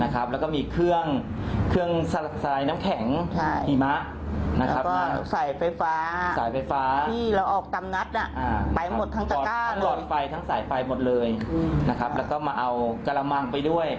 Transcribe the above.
กระมังไปด้วยสายรถน้ำก็ไปด้วย